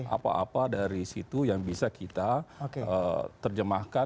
apa apa dari situ yang bisa kita terjemahkan